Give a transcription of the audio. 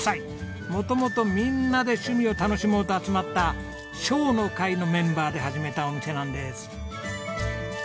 元々みんなで趣味を楽しもうと集まった「笑の会」のメンバーで始めたお店なんです。